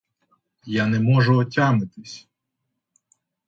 Я не можу отямитись!